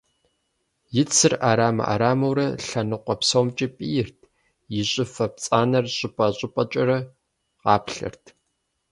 И цыр Ӏэрамэ Ӏэрамэурэ лъэныкъуэ псомкӀи пӀийрт, и щӀыфэ пцӀанэр щӀыпӀэ щӀыпӀэкӀэрэ къаплъэрт.